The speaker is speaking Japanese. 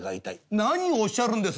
「何をおっしゃるんです！